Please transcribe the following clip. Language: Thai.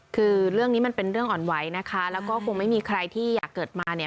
คือเรื่องนี้มันเป็นเรื่องอ่อนไหวนะคะแล้วก็คงไม่มีใครที่อยากเกิดมาเนี่ย